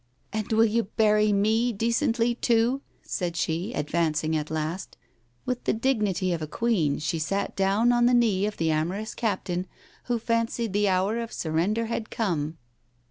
"And will you bury me decently too?" said she, advancing at last. With the dignity of a queen she sat down on the knee of the amorous captain, who fancied the hour of surrender had come.